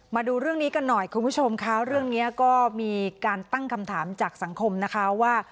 มาดูเรื่องนี้กันหน่อยคุณผู้ชมค่ะเรื่องนี้ก็มีการตั้งคำถามจากสังคมนะคะว่า